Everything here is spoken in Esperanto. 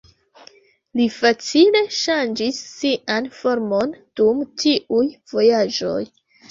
Li facile ŝanĝis sian formon dum tiuj vojaĝoj.